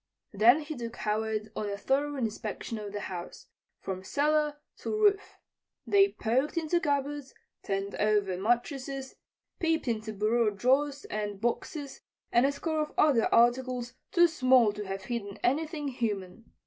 Then he took Howard on a thorough inspection of the house, from cellar to roof. They poked into cupboards, turned over mattresses, peeped into bureau drawers and boxes and a score of other articles too small to have hidden anything human.